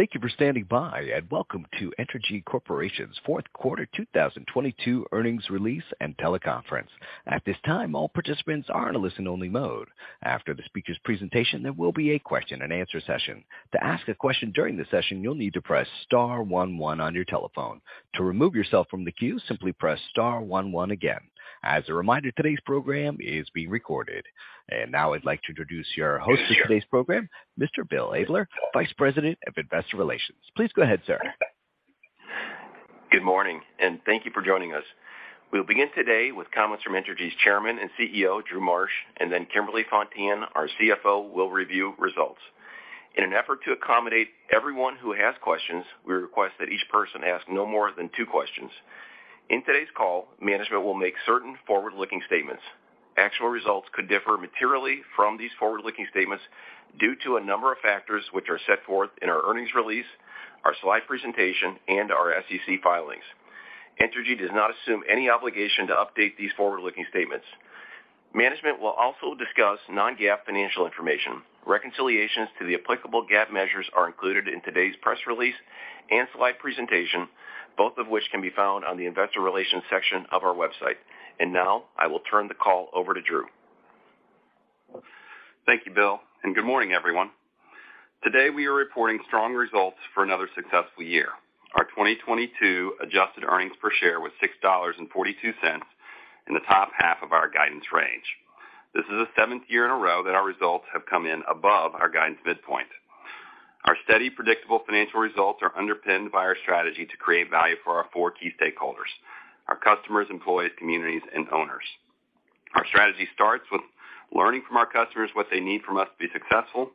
Thank you for standing by, welcome to Entergy Corporation's fourth quarter 2022 earnings release and teleconference. At this time, all participants are in a listen-only mode. After the speaker's presentation, there will be a question-and-answer session. To ask a question during the session, you'll need to press star one one on your telephone. To remove yourself from the queue, simply press star one one again. As a reminder, today's program is being recorded. Now I'd like to introduce your host for today's program, Mr. Bill Abler, Vice President of Investor Relations. Please go ahead, sir. Good morning. Thank you for joining us. We'll begin today with comments from Entergy's Chairman and CEO, Drew Marsh. Then Kimberly Fontan, our CFO, will review results. In an effort to accommodate everyone who has questions, we request that each person ask no more than two questions. In today's call, management will make certain forward-looking statements. Actual results could differ materially from these forward-looking statements due to a number of factors, which are set forth in our earnings release, our slide presentation, and our SEC filings. Entergy does not assume any obligation to update these forward-looking statements. Management will also discuss non-GAAP financial information. Reconciliations to the applicable GAAP measures are included in today's press release and slide presentation, both of which can be found on the investor relations section of our website. Now I will turn the call over to Drew. Thank you, Bill. Good morning, everyone. Today, we are reporting strong results for another successful year. Our 2022 adjusted earnings per share was $6.42 in the top half of our guidance range. This is the seventh year in a row that our results have come in above our guidance midpoint. Our steady, predictable financial results are underpinned by our strategy to create value for our four key stakeholders, our customers, employees, communities, and owners. Our strategy starts with learning from our customers what they need from us to be successful,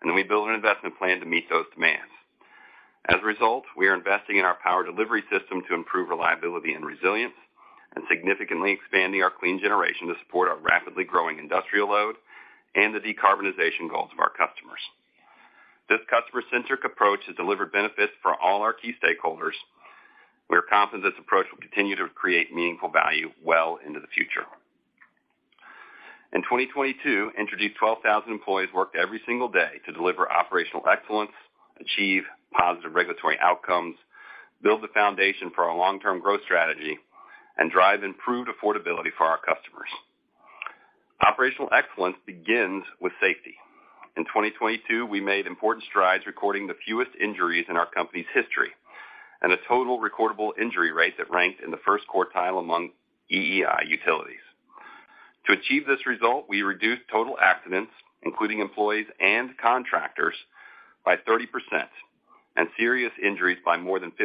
and then we build an investment plan to meet those demands. As a result, we are investing in our power delivery system to improve reliability and resilience and significantly expanding our clean generation to support our rapidly growing industrial load and the decarbonization goals of our customers. This customer-centric approach has delivered benefits for all our key stakeholders. We are confident this approach will continue to create meaningful value well into the future. In 2022, Entergy's 12,000 employees worked every single day to deliver operational excellence, achieve positive regulatory outcomes, build the foundation for our long-term growth strategy, and drive improved affordability for our customers. Operational excellence begins with safety. In 2022, we made important strides, recording the fewest injuries in our company's history and a total recordable injury rate that ranked in the first quartile among EEI utilities. To achieve this result, we reduced total accidents, including employees and contractors, by 30% and serious injuries by more than 50%.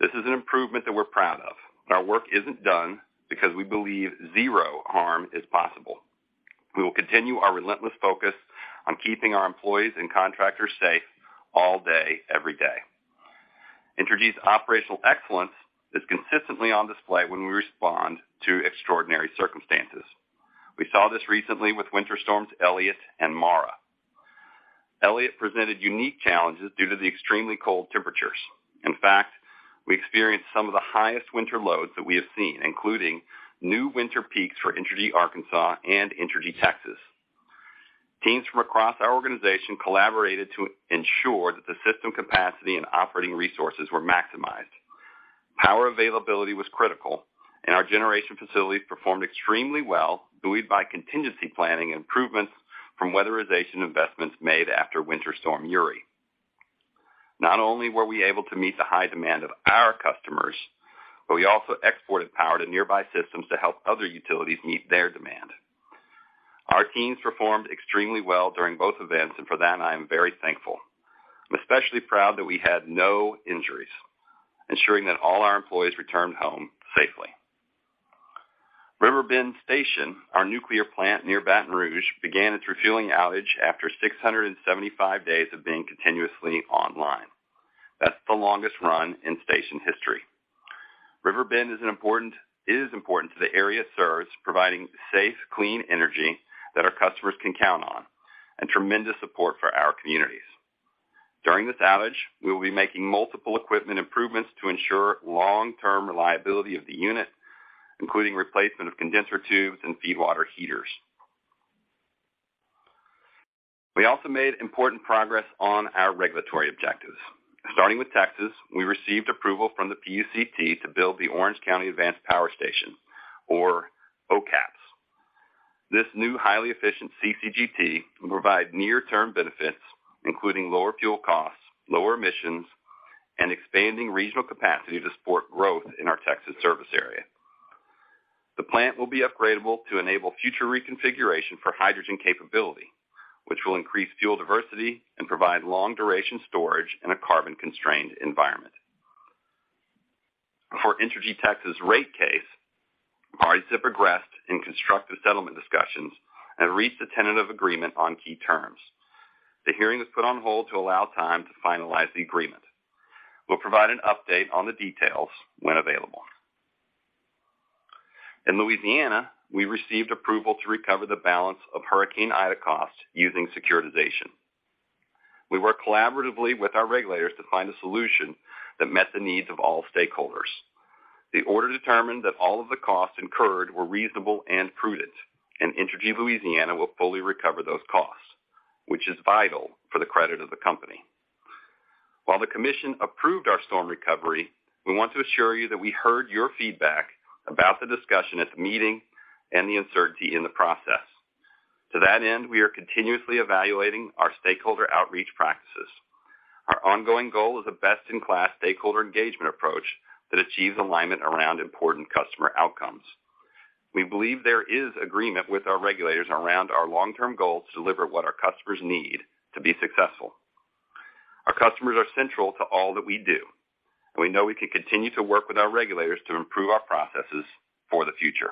This is an improvement that we're proud of. Our work isn't done because we believe zero harm is possible. We will continue our relentless focus on keeping our employees and contractors safe all day, every day. Entergy's operational excellence is consistently on display when we respond to extraordinary circumstances. We saw this recently with Winter Storms Elliott and Mara. Elliott presented unique challenges due to the extremely cold temperatures. In fact, we experienced some of the highest winter loads that we have seen, including new winter peaks for Entergy Arkansas and Entergy Texas. Teams from across our organization collaborated to ensure that the system capacity and operating resources were maximized. Power availability was critical, and our generation facilities performed extremely well, buoyed by contingency planning and improvements from weatherization investments made after Winter Storm Uri. Not only were we able to meet the high demand of our customers, but we also exported power to nearby systems to help other utilities meet their demand. Our teams performed extremely well during both events, for that I am very thankful. I'm especially proud that we had no injuries, ensuring that all our employees returned home safely. River Bend Station, our nuclear plant near Baton Rouge, began its refueling outage after 675 days of being continuously online. That's the longest run in station history. River Bend is important to the area it serves, providing safe, clean energy that our customers can count on and tremendous support for our communities. During this outage, we will be making multiple equipment improvements to ensure long-term reliability of the unit, including replacement of condenser tubes and feed water heaters. We also made important progress on our regulatory objectives. Starting with Texas, we received approval from the PUCT to build the Orange County Advanced Power Station or OCAPS. This new, highly efficient CCGT will provide near-term benefits, including lower fuel costs, lower emissions, and expanding regional capacity to support growth in our Texas service area. The plant will be upgradable to enable future reconfiguration for hydrogen capability, which will increase fuel diversity and provide long-duration storage in a carbon-constrained environment. For Entergy Texas rate case, parties have progressed in constructive settlement discussions and reached a tentative agreement on key terms. The hearing was put on hold to allow time to finalize the agreement. We'll provide an update on the details when available. In Louisiana, we received approval to recover the balance of Hurricane Ida costs using securitization. We worked collaboratively with our regulators to find a solution that met the needs of all stakeholders. The order determined that all of the costs incurred were reasonable and prudent. Entergy Louisiana will fully recover those costs, which is vital for the credit of the company. While the commission approved our storm recovery, we want to assure you that we heard your feedback about the discussion at the meeting and the uncertainty in the process. To that end, we are continuously evaluating our stakeholder outreach practices. Our ongoing goal is a best-in-class stakeholder engagement approach that achieves alignment around important customer outcomes. We believe there is agreement with our regulators around our long-term goals to deliver what our customers need to be successful. Our customers are central to all that we do. We know we can continue to work with our regulators to improve our processes for the future.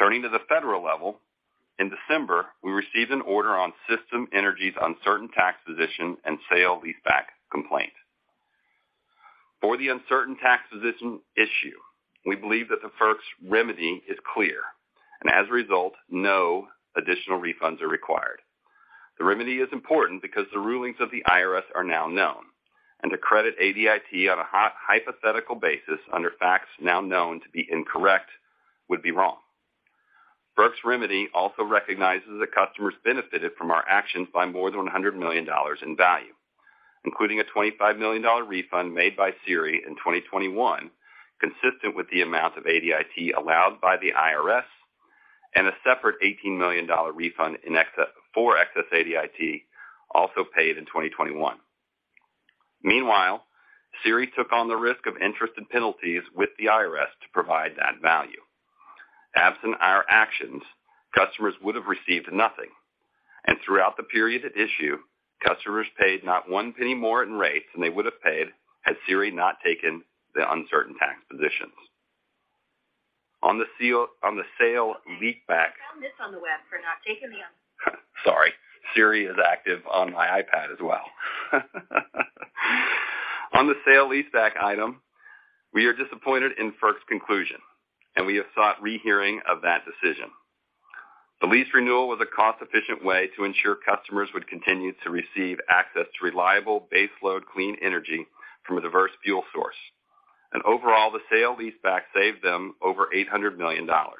Turning to the federal level, in December, we received an order on System Energy's uncertain tax position and sale leaseback complaint. For the uncertain tax position issue, we believe that the FERC's remedy is clear, as a result, no additional refunds are required. The remedy is important because the rulings of the IRS are now known, to credit ADIT on a hypothetical basis under facts now known to be incorrect would be wrong. FERC's remedy also recognizes that customers benefited from our actions by more than $100 million in value, including a $25 million refund made by SERI in 2021, consistent with the amount of ADIT allowed by the IRS, a separate $18 million refund for excess ADIT, also paid in 2021. Meanwhile, SERI took on the risk of interest and penalties with the IRS to provide that value. Absent our actions, customers would have received nothing. Throughout the period at issue, customers paid not one penny more in rates than they would have paid had SERI not taken the uncertain tax positions. On the sale leaseback. You found this on the web for not taking. Sorry. Siri is active on my iPad as well. On the sale leaseback item, we are disappointed in FERC's conclusion. We have sought rehearing of that decision. The lease renewal was a cost-efficient way to ensure customers would continue to receive access to reliable baseload clean energy from a diverse fuel source. Overall, the sale leaseback saved them over $800 million. On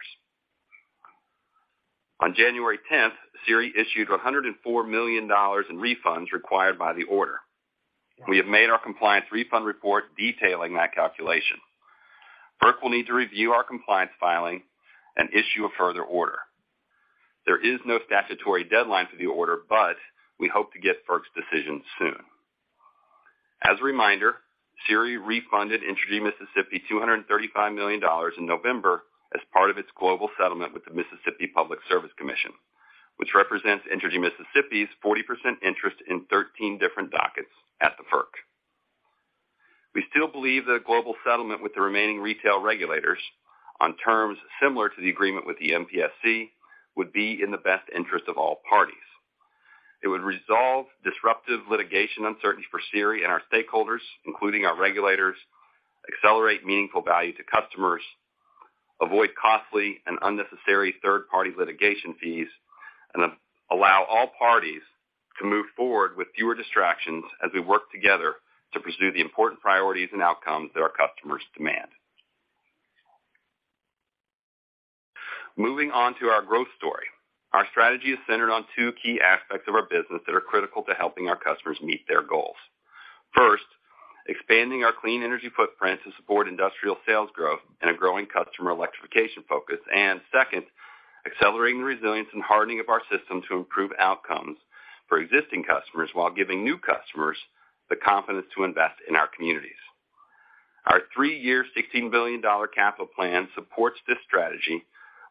January 10th, SERI issued $104 million in refunds required by the order. We have made our compliance refund report detailing that calculation. FERC will need to review our compliance filing and issue a further order. There is no statutory deadline for the order. We hope to get FERC's decision soon. As a reminder, SERI refunded Entergy Mississippi $235 million in November as part of its global settlement with the Mississippi Public Service Commission, which represents Entergy Mississippi's 40% interest in 13 different dockets at the FERC. We still believe that a global settlement with the remaining retail regulators on terms similar to the agreement with the MPSC would be in the best interest of all parties. It would resolve disruptive litigation uncertainty for SERI and our stakeholders, including our regulators, accelerate meaningful value to customers, avoid costly and unnecessary third-party litigation fees, and allow all parties to move forward with fewer distractions as we work together to pursue the important priorities and outcomes that our customers demand. Moving on to our growth story. Our strategy is centered on 2 key aspects of our business that are critical to helping our customers meet their goals. First, expanding our clean energy footprint to support industrial sales growth and a growing customer electrification focus. Second, accelerating the resilience and hardening of our system to improve outcomes for existing customers while giving new customers the confidence to invest in our communities. Our three-year, $16 billion capital plan supports this strategy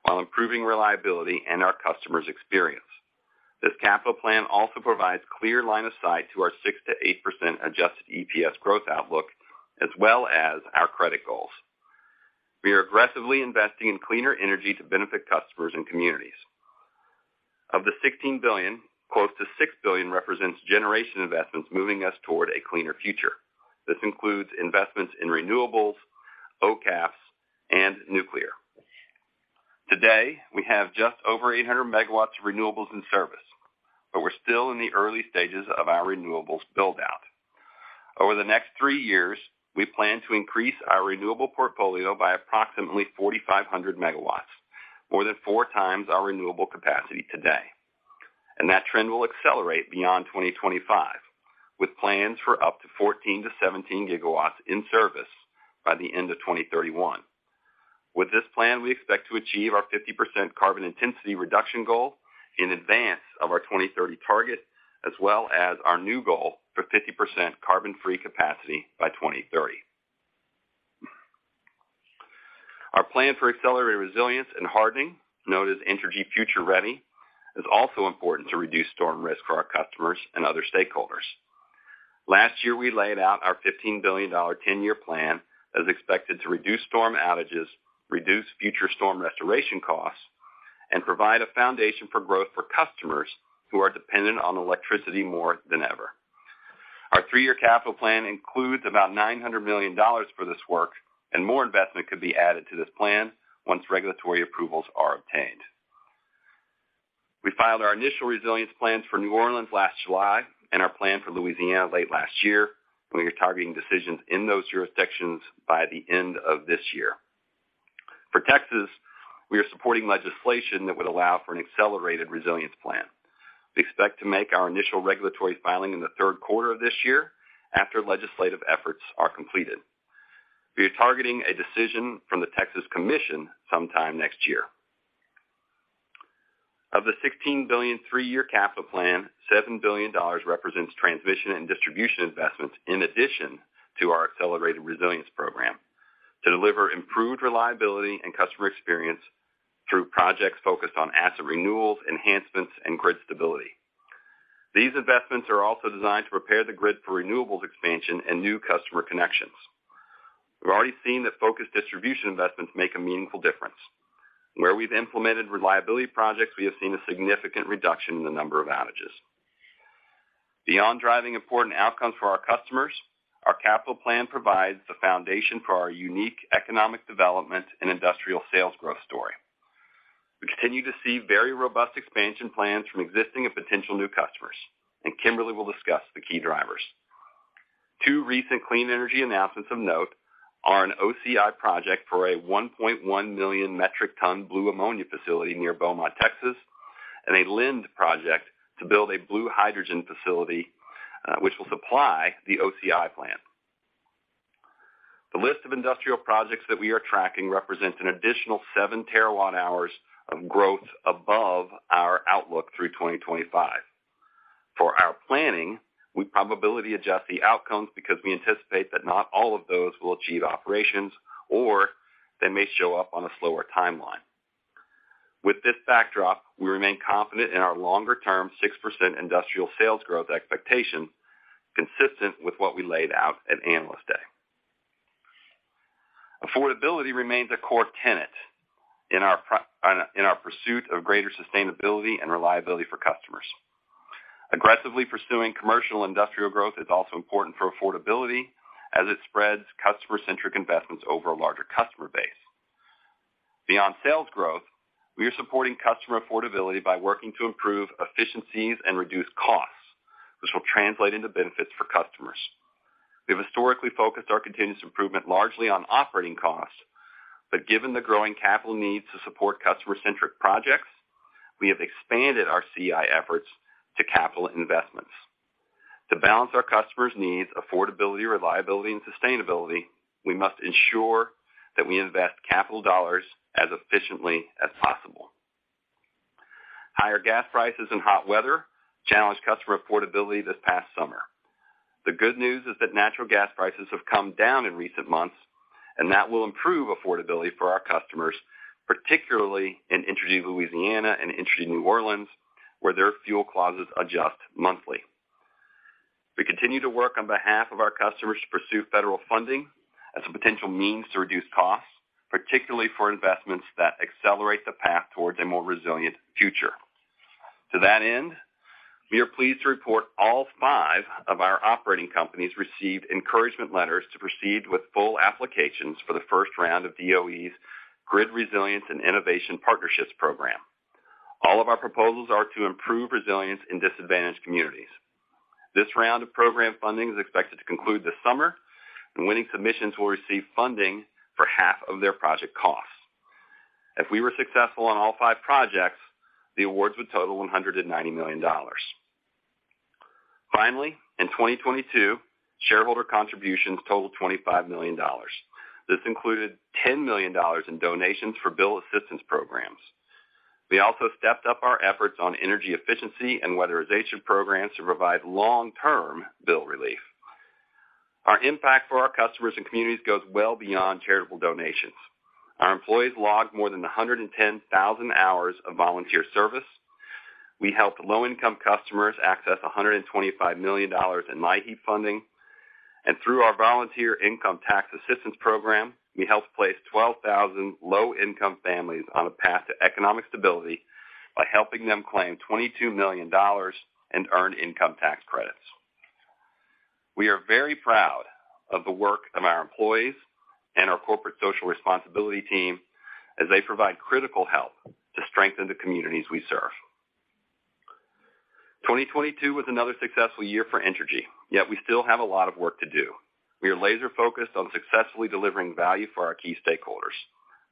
while improving reliability and our customers' experience. This capital plan also provides clear line of sight to our 6%-8% adjusted EPS growth outlook as well as our credit goals. We are aggressively investing in cleaner energy to benefit customers and communities. Of the $16 billion, close to $6 billion represents generation investments moving us toward a cleaner future. This includes investments in renewables, OCAPS, and nuclear. Today, we have just over 800 megawatts of renewables in service, we're still in the early stages of our renewables build-out. Over the next 3 years, we plan to increase our renewable portfolio by approximately 4,500 megawatts, more than 4 times our renewable capacity today. That trend will accelerate beyond 2025, with plans for up to 14-17 gigawatts in service by the end of 2031. With this plan, we expect to achieve our 50% carbon intensity reduction goal in advance of our 2030 target, as well as our new goal for 50% carbon-free capacity by 2030. Our plan for accelerated resilience and hardening, known as Entergy Future Ready, is also important to reduce storm risk for our customers and other stakeholders. Last year, we laid out our $15 billion 10-year plan that is expected to reduce storm outages, reduce future storm restoration costs, and provide a foundation for growth for customers who are dependent on electricity more than ever. Our three-year capital plan includes about $900 million for this work. More investment could be added to this plan once regulatory approvals are obtained. We filed our initial resilience plans for New Orleans last July and our plan for Louisiana late last year. We are targeting decisions in those jurisdictions by the end of this year. For Texas, we are supporting legislation that would allow for an accelerated resilience plan. We expect to make our initial regulatory filing in the third quarter of this year after legislative efforts are completed. We are targeting a decision from the Texas Commission sometime next year. Of the $16 billion three-year capital plan, $7 billion represents transmission and distribution investments in addition to our accelerated resilience program to deliver improved reliability and customer experience through projects focused on asset renewals, enhancements, and grid stability. These investments are also designed to prepare the grid for renewables expansion and new customer connections. We've already seen that focused distribution investments make a meaningful difference. Where we've implemented reliability projects, we have seen a significant reduction in the number of outages. Beyond driving important outcomes for our customers, our capital plan provides the foundation for our unique economic development and industrial sales growth story. We continue to see very robust expansion plans from existing and potential new customers. Kimberly will discuss the key drivers. Two recent clean energy announcements of note are an OCI project for a 1.1 million metric ton blue ammonia facility near Beaumont, Texas, and a Linde project to build a blue hydrogen facility, which will supply the OCI plant. The list of industrial projects that we are tracking represents an additional 7 terawatt-hours of growth above our outlook through 2025. For our planning, we probability adjust the outcomes because we anticipate that not all of those will achieve operations, or they may show up on a slower timeline. With this backdrop, we remain confident in our longer-term 6% industrial sales growth expectation, consistent with what we laid out at Analyst Day. Affordability remains a core tenet in our pursuit of greater sustainability and reliability for customers. Aggressively pursuing commercial industrial growth is also important for affordability as it spreads customer-centric investments over a larger customer base. Beyond sales growth, we are supporting customer affordability by working to improve efficiencies and reduce costs, which will translate into benefits for customers. We have historically focused our continuous improvement largely on operating costs, but given the growing capital needs to support customer-centric projects, we have expanded our CI efforts to capital investments. To balance our customers' needs, affordability, reliability, and sustainability, we must ensure that we invest capital dollars as efficiently as possible. Higher gas prices and hot weather challenged customer affordability this past summer. The good news is that natural gas prices have come down in recent months, and that will improve affordability for our customers, particularly in Entergy Louisiana and Entergy New Orleans, where their fuel clauses adjust monthly. We continue to work on behalf of our customers to pursue federal funding as a potential means to reduce costs, particularly for investments that accelerate the path towards a more resilient future. To that end, we are pleased to report all 5 of our operating companies received encouragement letters to proceed with full applications for the first round of DOE's Grid Resilience and Innovation Partnerships Program. All of our proposals are to improve resilience in disadvantaged communities. This round of program funding is expected to conclude this summer, and winning submissions will receive funding for half of their project costs. If we were successful on all 5 projects, the awards would total $190 million. In 2022, shareholder contributions totaled $25 million. This included $10 million in donations for bill assistance programs. We also stepped up our efforts on energy efficiency and weatherization programs to provide long-term bill relief. Our impact for our customers and communities goes well beyond charitable donations. Our employees logged more than 110,000 hours of volunteer service. We helped low-income customers access $125 million in LIHEAP funding. Through our Volunteer Income Tax Assistance program, we helped place 12,000 low-income families on a path to economic stability by helping them claim $22 million in earned income tax credits. We are very proud of the work of our employees and our corporate social responsibility team as they provide critical help to strengthen the communities we serve. 2022 was another successful year for Entergy, yet we still have a lot of work to do. We are laser-focused on successfully delivering value for our key stakeholders.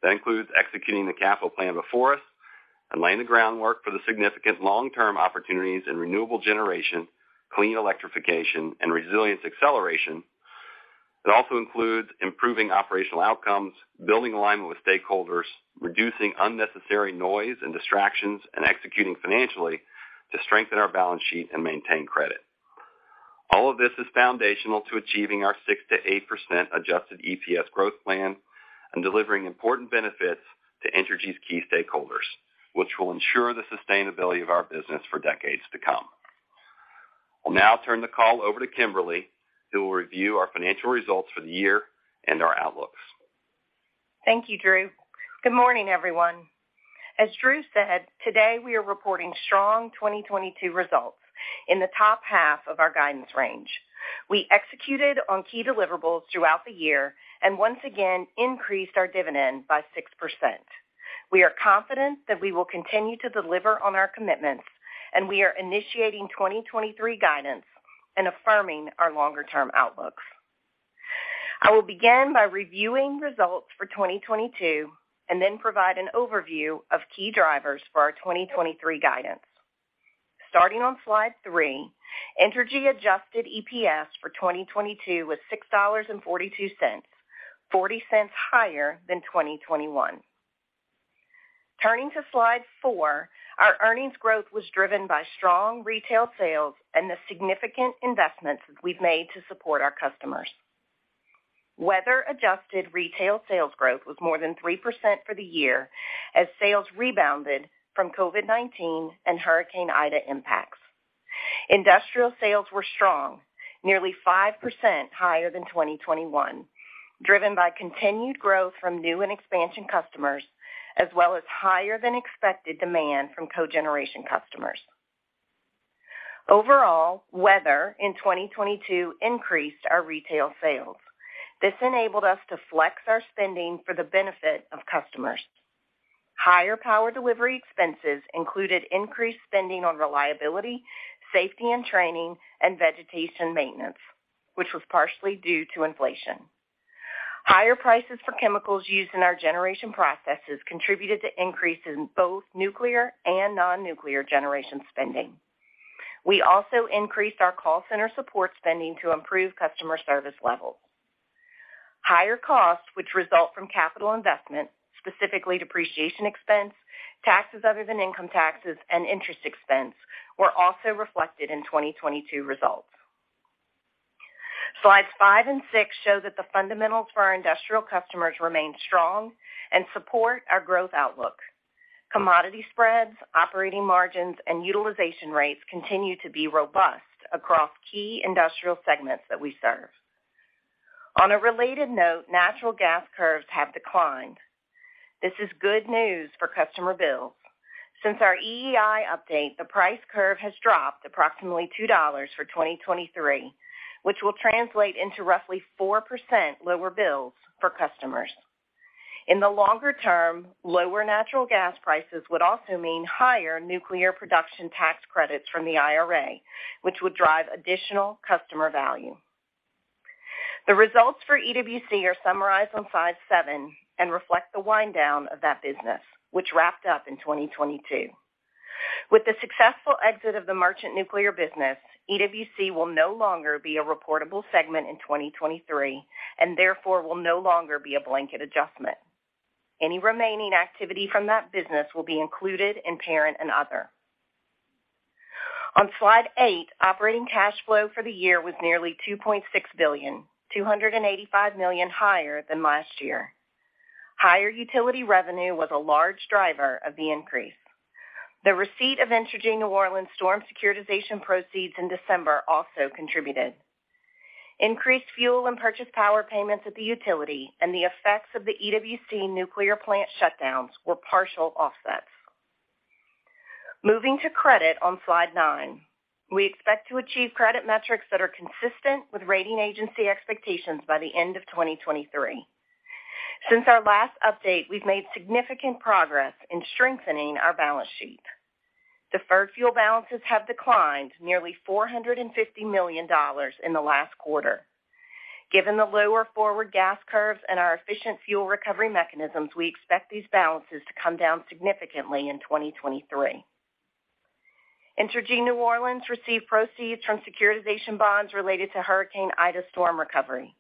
That includes executing the capital plan before us and laying the groundwork for the significant long-term opportunities in renewable generation, clean electrification, and resilience acceleration. It also includes improving operational outcomes, building alignment with stakeholders, reducing unnecessary noise and distractions, executing financially to strengthen our balance sheet and maintain credit. All of this is foundational to achieving our 6%-8% adjusted EPS growth plan and delivering important benefits to Entergy's key stakeholders, which will ensure the sustainability of our business for decades to come. I'll now turn the call over to Kimberly, who will review our financial results for the year and our outlooks. Thank you, Drew. Good morning, everyone. As Drew said, today we are reporting strong 2022 results in the top half of our guidance range. We executed on key deliverables throughout the year and once again increased our dividend by 6%. We are confident that we will continue to deliver on our commitments, and we are initiating 2023 guidance and affirming our longer-term outlooks. I will begin by reviewing results for 2022 and then provide an overview of key drivers for our 2023 guidance. Starting on slide three, Entergy adjusted EPS for 2022 was $6.42, $0.40 higher than 2021. Turning to slide four, our earnings growth was driven by strong retail sales and the significant investments that we've made to support our customers. Weather-adjusted retail sales growth was more than 3% for the year as sales rebounded from COVID-19 and Hurricane Ida impacts. Industrial sales were strong, nearly 5% higher than 2021, driven by continued growth from new and expansion customers as well as higher than expected demand from cogeneration customers. Overall, weather in 2022 increased our retail sales. This enabled us to flex our spending for the benefit of customers. Higher power delivery expenses included increased spending on reliability, safety and training, and vegetation maintenance, which was partially due to inflation. Higher prices for chemicals used in our generation processes contributed to increases in both nuclear and non-nuclear generation spending. We also increased our call center support spending to improve customer service levels. Higher costs which result from capital investment, specifically depreciation expense, taxes other than income taxes, and interest expense were also reflected in 2022 results. Slides five and six show that the fundamentals for our industrial customers remain strong and support our growth outlook. Commodity spreads, operating margins, and utilization rates continue to be robust across key industrial segments that we serve. On a related note, natural gas curves have declined. This is good news for customer bills. Since our EEI update, the price curve has dropped approximately $2 for 2023, which will translate into roughly 4% lower bills for customers. In the longer term, lower natural gas prices would also mean higher nuclear production tax credits from the IRA, which would drive additional customer value. The results for EWC are summarized on slide seven and reflect the wind down of that business which wrapped up in 2022. With the successful exit of the merchant nuclear business, EWC will no longer be a reportable segment in 2023, and therefore will no longer be a blanket adjustment. Any remaining activity from that business will be included in parent and other. On slide eight, operating cash flow for the year was nearly $2.6 billion, $285 million higher than last year. Higher utility revenue was a large driver of the increase. The receipt of Entergy New Orleans storm securitization proceeds in December also contributed. Increased fuel and purchase power payments at the utility and the effects of the EWC nuclear plant shutdowns were partial offsets. Moving to credit on slide nine. We expect to achieve credit metrics that are consistent with rating agency expectations by the end of 2023. Since our last update, we've made significant progress in strengthening our balance sheet. Deferred fuel balances have declined nearly $450 million in the last quarter. Given the lower forward gas curves and our efficient fuel recovery mechanisms, we expect these balances to come down significantly in 2023. Entergy New Orleans received proceeds from securitization bonds related to Hurricane Ida storm recovery.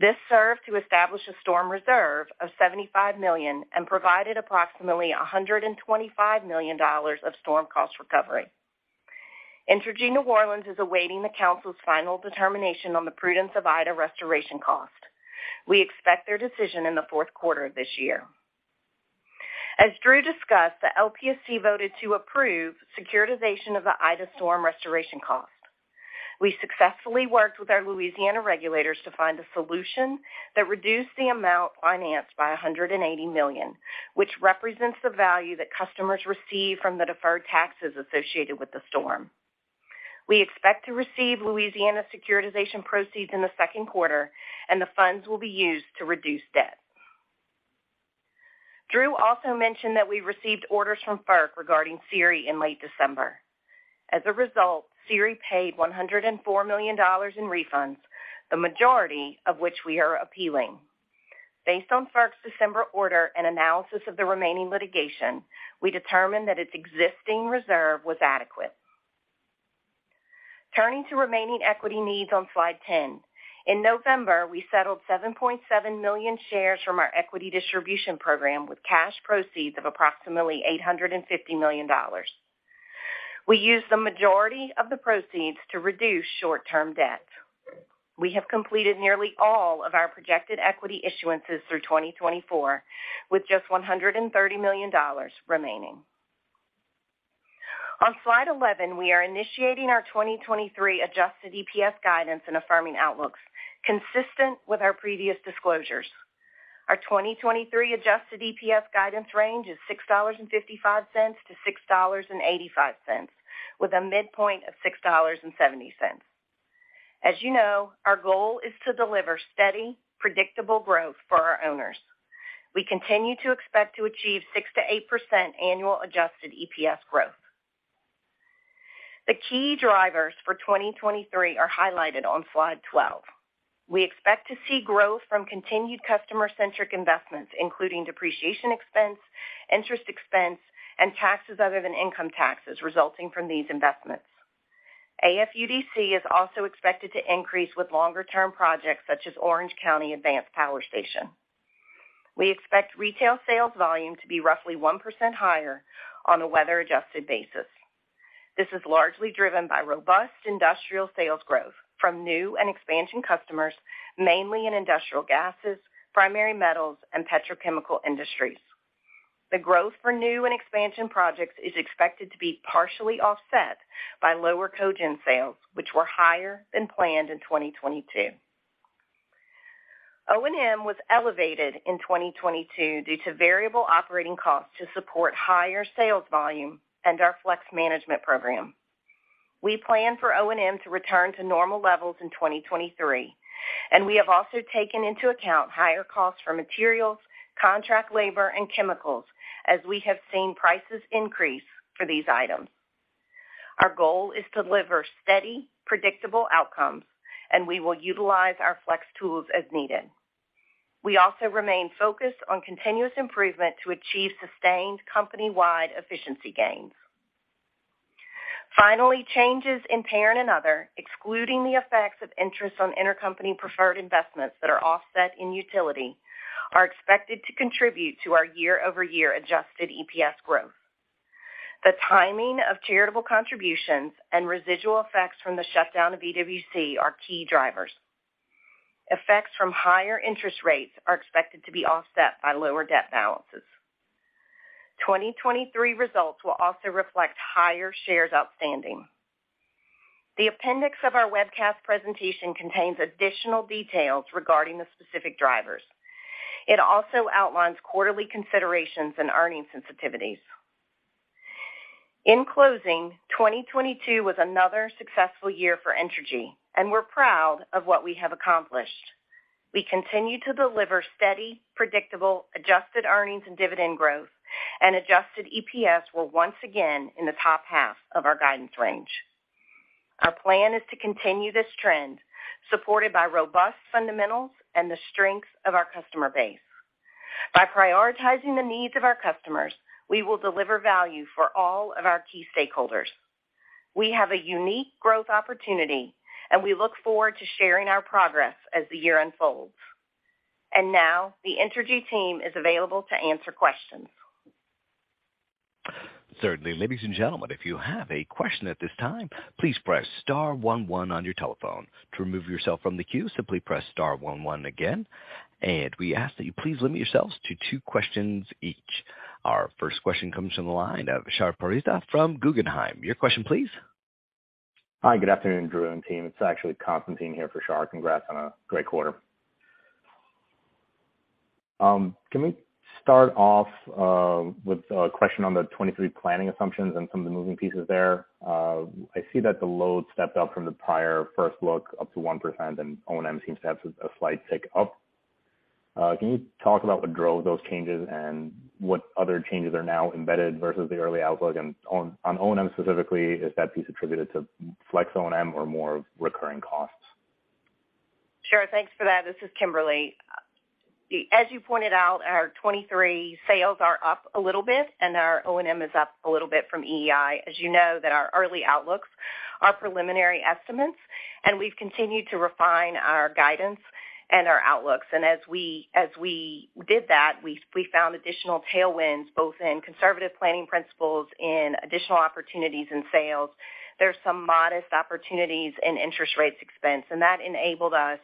This served to establish a storm reserve of $75 million and provided approximately $125 million of storm cost recovery. Entergy New Orleans is awaiting the council's final determination on the prudence of Ida restoration cost. We expect their decision in the fourth quarter of this year. As Drew discussed, the LPSC voted to approve securitization of the Ida storm restoration cost. We successfully worked with our Louisiana regulators to find a solution that reduced the amount financed by $180 million, which represents the value that customers receive from the deferred taxes associated with the storm. We expect to receive Louisiana securitization proceeds in the second quarter, and the funds will be used to reduce debt. Drew also mentioned that we received orders from FERC regarding SERI in late December. As a result, SERI paid $104 million in refunds, the majority of which we are appealing. Based on FERC's December order and analysis of the remaining litigation, we determined that its existing reserve was adequate. Turning to remaining equity needs on slide 10. In November, we settled 7.7 million shares from our equity distribution program with cash proceeds of approximately $850 million. We used the majority of the proceeds to reduce short-term debt. We have completed nearly all of our projected equity issuances through 2024, with just $130 million remaining. On slide 11, we are initiating our 2023 adjusted EPS guidance and affirming outlooks consistent with our previous disclosures. Our 2023 adjusted EPS guidance range is $6.55-$6.85, with a midpoint of $6.70. As you know, our goal is to deliver steady, predictable growth for our owners. We continue to expect to achieve 6%-8% annual adjusted EPS growth. The key drivers for 2023 are highlighted on slide 12. We expect to see growth from continued customer-centric investments, including depreciation expense, interest expense, and taxes other than income taxes resulting from these investments. AFUDC is also expected to increase with longer-term projects such as Orange County Advanced Power Station. We expect retail sales volume to be roughly 1% higher on a weather-adjusted basis. This is largely driven by robust industrial sales growth from new and expansion customers, mainly in industrial gases, primary metals, and petrochemical industries. The growth for new and expansion projects is expected to be partially offset by lower cogen sales, which were higher than planned in 2022. O&M was elevated in 2022 due to variable operating costs to support higher sales volume and our flex management program. We plan for O&M to return to normal levels in 2023, we have also taken into account higher costs for materials, contract labor, and chemicals as we have seen prices increase for these items. Our goal is to deliver steady, predictable outcomes, we will utilize our flex tools as needed. We also remain focused on continuous improvement to achieve sustained company-wide efficiency gains. Changes in parent and other, excluding the effects of interest on intercompany preferred investments that are offset in utility, are expected to contribute to our year-over-year adjusted EPS growth. The timing of charitable contributions and residual effects from the shutdown of EWC are key drivers. Effects from higher interest rates are expected to be offset by lower debt balances. 2023 results will also reflect higher shares outstanding. The appendix of our webcast presentation contains additional details regarding the specific drivers. It also outlines quarterly considerations and earnings sensitivities. In closing, 2022 was another successful year for Entergy, and we're proud of what we have accomplished. We continue to deliver steady, predictable, adjusted earnings and dividend growth, and adjusted EPS were once again in the top half of our guidance range. Our plan is to continue this trend, supported by robust fundamentals and the strength of our customer base. By prioritizing the needs of our customers, we will deliver value for all of our key stakeholders. We have a unique growth opportunity, and we look forward to sharing our progress as the year unfolds. Now, the Entergy team is available to answer questions. Certainly. Ladies and gentlemen, if you have a question at this time, please press star one one on your telephone. To remove yourself from the queue, simply press star one one again. We ask that you please limit yourselves to two questions each. Our first question comes from the line of Shar Pourreza from Guggenheim. Your question, please. Hi, good afternoon, Drew and team. It's actually Constantine here for Shar. Congrats on a great quarter. Can we start off with a question on the 23 planning assumptions and some of the moving pieces there? I see that the load stepped up from the prior first look up to 1%, and O&M seems to have a slight tick up. Can you talk about what drove those changes and what other changes are now embedded versus the early outlook? On O&M specifically, is that piece attributed to flex O&M or more recurring costs? Sure. Thanks for that. This is Kimberly. As you pointed out, our 23 sales are up a little bit, and our O&M is up a little bit from EEI. As you know that our early outlooks are preliminary estimates, and we've continued to refine our guidance and our outlooks. As we did that, we found additional tailwinds, both in conservative planning principles, in additional opportunities in sales. There's some modest opportunities in interest rates expense, and that enabled us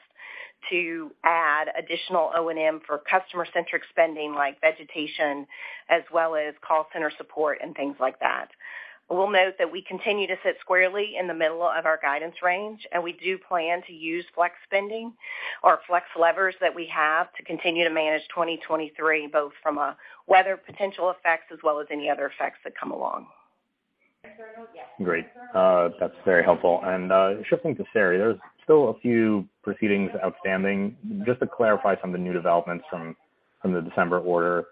to add additional O&M for customer-centric spending like vegetation as well as call center support and things like that. We'll note that we continue to sit squarely in the middle of our guidance range, and we do plan to use flex spending or flex levers that we have to continue to manage 2023, both from a weather potential effects as well as any other effects that come along. Great. That's very helpful. Shifting to SERI, there's still a few proceedings outstanding. Just to clarify some of the new developments from the December order,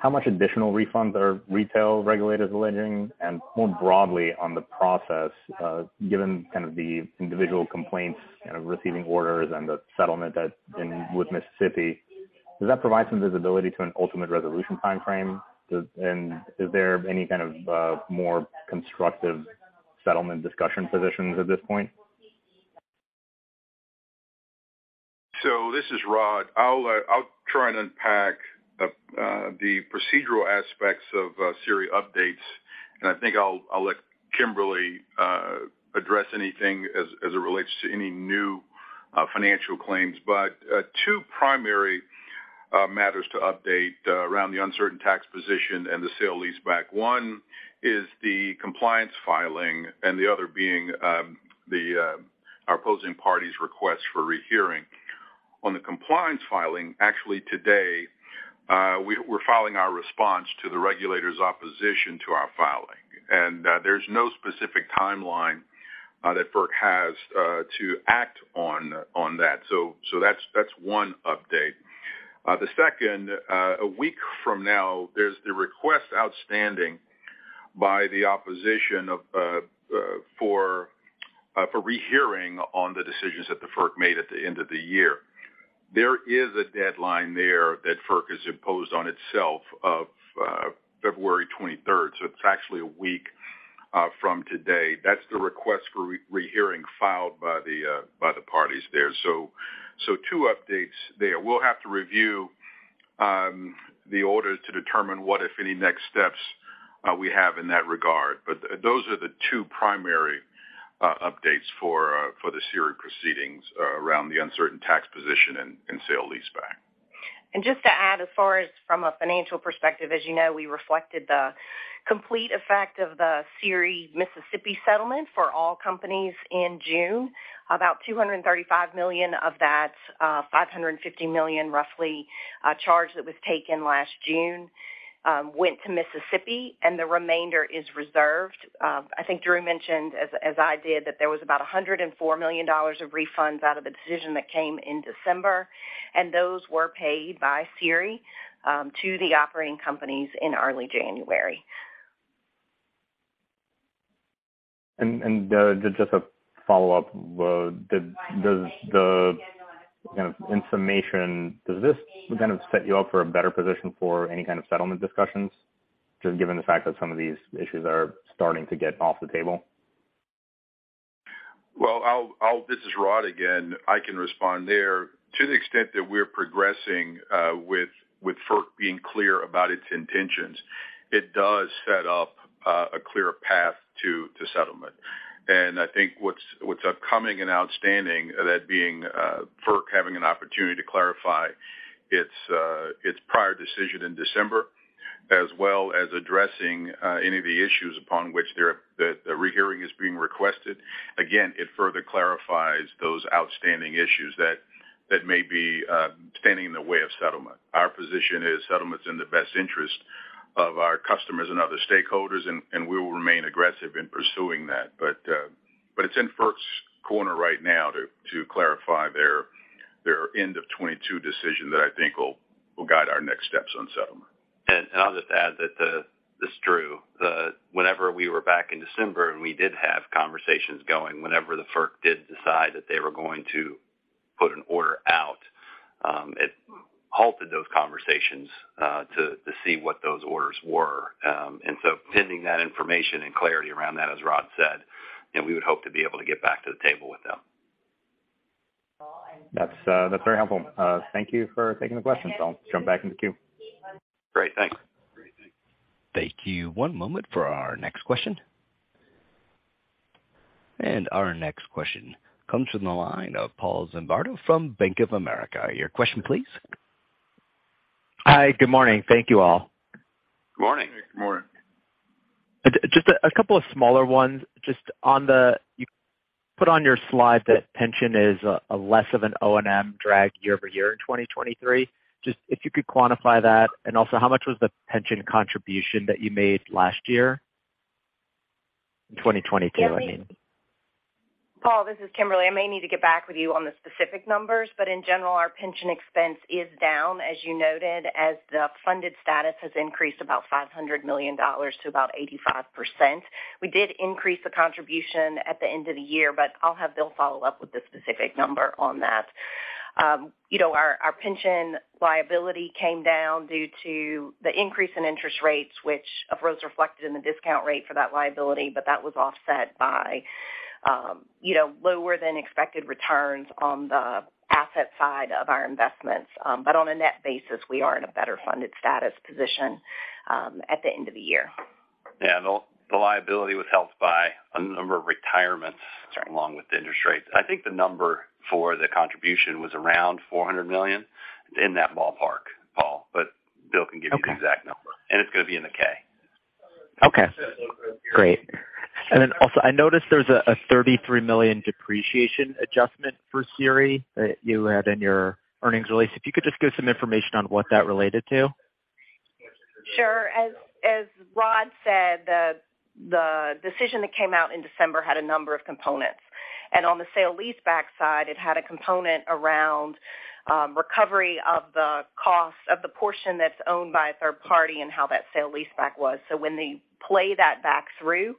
how much additional refunds are retail regulators alleging? More broadly on the process, given kind of the individual complaints, kind of receiving orders and the settlement that's been with Mississippi, does that provide some visibility to an ultimate resolution timeframe? Is there any kind of more constructive settlement discussion positions at this point? This is Rod. I'll try and unpack the procedural aspects of SERI updates, and I think I'll let Kimberly address anything as it relates to any new financial claims. 2 primary matters to update around the uncertain tax position and the sale leaseback. 1 is the compliance filing, and the other being Our opposing parties request for rehearing. On the compliance filing, actually today, we're filing our response to the regulator's opposition to our filing. There's no specific timeline that FERC has to act on that. That's 1 update. The 2nd, a week from now, there's the request outstanding by the opposition of for rehearing on the decisions that FERC made at the end of the year. There is a deadline there that FERC has imposed on itself of February 23rd. It's actually a week from today. That's the request for re-rehearing filed by the parties there. Two updates there. We'll have to review the order to determine what, if any, next steps we have in that regard. Those are the two primary updates for the SERI proceedings around the uncertain tax position and sale-leaseback. Just to add, as far as from a financial perspective, as you know, we reflected the complete effect of the SERI Mississippi settlement for all companies in June. About $235 million of that, $550 million roughly, charge that was taken last June, went to Mississippi and the remainder is reserved. I think Drew Marsh mentioned, as I did, that there was about $104 million of refunds out of the decision that came in December, and those were paid by SERI, to the operating companies in early January. Just a follow-up. Does this kind of set you up for a better position for any kind of settlement discussions, just given the fact that some of these issues are starting to get off the table? Well, this is Rod again. I can respond there. To the extent that we're progressing with FERC being clear about its intentions, it does set up a clear path to settlement. I think what's upcoming and outstanding, that being FERC having an opportunity to clarify its prior decision in December, as well as addressing any of the issues upon which the rehearing is being requested. Again, it further clarifies those outstanding issues that may be standing in the way of settlement. Our position is settlement's in the best interest of our customers and other stakeholders and we will remain aggressive in pursuing that. But it's in FERC's corner right now to clarify their end of 22 decision that I think will guide our next steps on settlement. I'll just add that this is Drew. Whenever we were back in December, and we did have conversations going, whenever the FERC did decide that they were going to put an order out, it halted those conversations to see what those orders were. Pending that information and clarity around that, as Rod said, you know, we would hope to be able to get back to the table with them. That's, that's very helpful. Thank you for taking the question. I'll jump back in the queue. Great. Thanks. Great. Thanks. Thank you. One moment for our next question. Our next question comes from the line of Julien Dumoulin-Smith from Bank of America. Your question please. Hi. Good morning. Thank you all. Good morning. Good morning. Just a couple of smaller ones. Just on the you put on your slide that pension is a less of an O&M drag year-over-year in 2023. Just if you could quantify that and also how much was the pension contribution that you made last year? In 2022, I mean. Paul, this is Kimberly. I may need to get back with you on the specific numbers, but in general, our pension expense is down, as you noted, as the funded status has increased about $500 million to about 85%. We did increase the contribution at the end of the year, but I'll have Bill follow up with the specific number on that. You know, our pension liability came down due to the increase in interest rates, which of course reflected in the discount rate for that liability, but that was offset by, you know, lower than expected returns on the asset side of our investments. On a net basis, we are in a better funded status position, at the end of the year. Yeah. The liability was helped by a number of retirements, certainly along with the interest rates. I think the number for the contribution was around $400 million in that ballpark, Paul, but Bill can give you the exact number, and it's going to be in the K. Okay, great. Also I noticed there's a $33 million depreciation adjustment for SERI that you had in your earnings release. If you could just give some information on what that related to? Sure. As Rod said, the decision that came out in December had a number of components. On the sale leaseback side, it had a component around recovery of the cost of the portion that's owned by a third party and how that sale leaseback was. When they play that back through,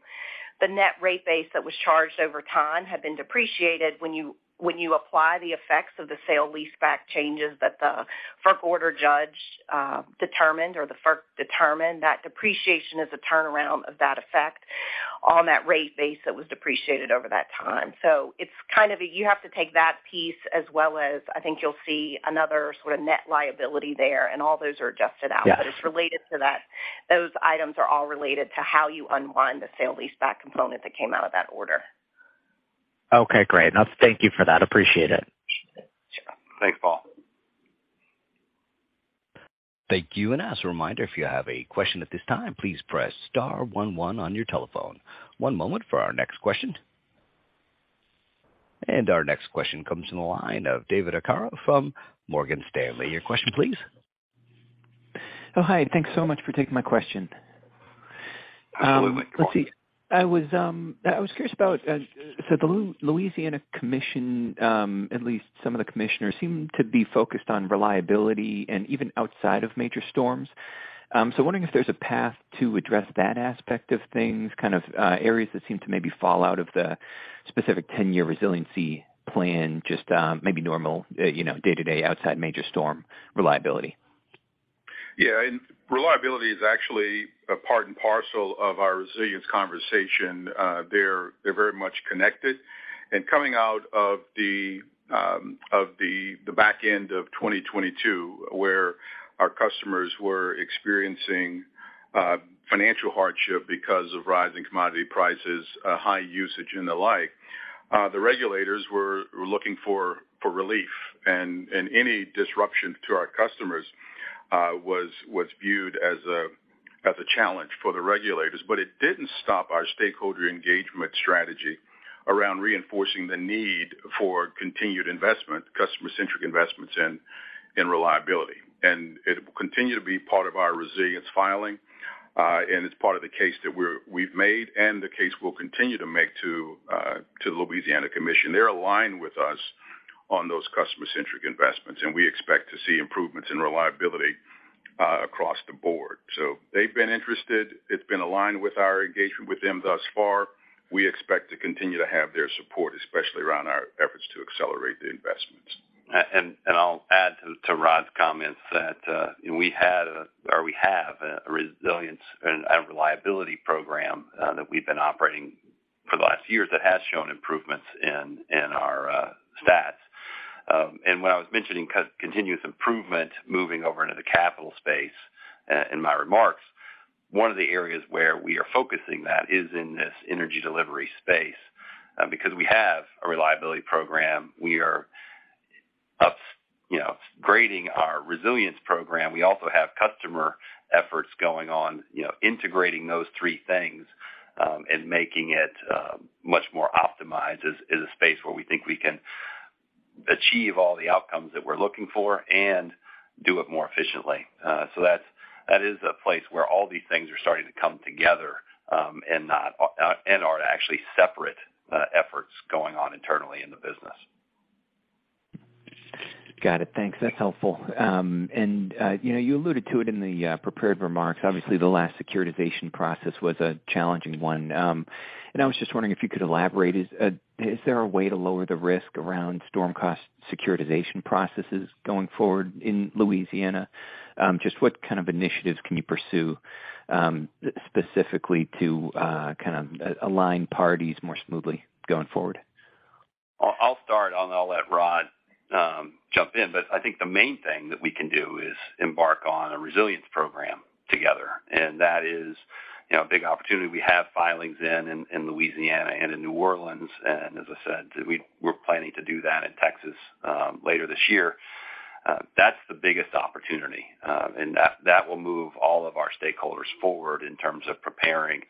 the net rate base that was charged over time had been depreciated. When you apply the effects of the sale leaseback changes that the FERC order judge determined or the FERC determined, that depreciation is a turnaround of that effect on that rate base that was depreciated over that time. It's kind of a you have to take that piece as well as I think you'll see another sort of net liability there, and all those are adjusted out. Yeah. It's related to that. Those items are all related to how you unwind the sale leaseback component that came out of that order. Okay, great. Thank you for that. Appreciate it. Sure. Thanks. Thank you. As a reminder, if you have a question at this time, please press star 11 on your telephone. One moment for our next question. Our next question comes from the line of David Arcaro from Morgan Stanley. Your question, please. Oh, hi. Thanks so much for taking my question. Absolutely. Let's see. I was curious about the Louisiana Commission, at least some of the commissioners seem to be focused on reliability and even outside of major storms. Wondering if there's a path to address that aspect of things, kind of, areas that seem to maybe fall out of the specific 10-year resiliency plan, just, you know, day-to-day outside major storm reliability. Reliability is actually a part and parcel of our resilience conversation. They're very much connected. Coming out of the back end of 2022, where our customers were experiencing financial hardship because of rising commodity prices, high usage and the like, the regulators were looking for relief. Any disruption to our customers was viewed as a challenge for the regulators. It didn't stop our stakeholder engagement strategy around reinforcing the need for continued investment, customer-centric investments in reliability. It will continue to be part of our resilience filing, and it's part of the case that we've made and the case we'll continue to make to the Louisiana Commission. They're aligned with us on those customer-centric investments, we expect to see improvements in reliability across the board. They've been interested. It's been aligned with our engagement with them thus far. We expect to continue to have their support, especially around our efforts to accelerate the investments. I'll add to Rod's comments that we have a resilience and a reliability program that we've been operating for the last year that has shown improvements in our stats. When I was mentioning continuous improvement moving over into the capital space in my remarks, one of the areas where we are focusing that is in this energy delivery space. Because we have a reliability program, we are upgrading our resilience program. We also have customer efforts going on, you know, integrating those three things, and making it much more optimized is a space where we think we can achieve all the outcomes that we're looking for and do it more efficiently. That is a place where all these things are starting to come together, and are actually separate efforts going on internally in the business. Got it. Thanks. That's helpful. You know, you alluded to it in the prepared remarks. Obviously, the last securitization process was a challenging one. I was just wondering if you could elaborate. Is there a way to lower the risk around storm cost securitization processes going forward in Louisiana? Just what kind of initiatives can you pursue, specifically to kind of align parties more smoothly going forward? I'll start, and I'll let Rod jump in. I think the main thing that we can do is embark on a resilience program together, and that is, you know, a big opportunity. We have filings in Louisiana and in New Orleans, and as I said, we're planning to do that in Texas later this year. That's the biggest opportunity, and that will move all of our stakeholders forward in terms of preparing